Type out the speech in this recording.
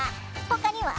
ほかには？